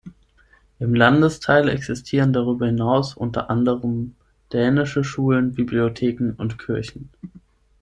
Im Landesteil existieren darüber hinaus unter anderem dänische Schulen, Bibliotheken und Kirchen.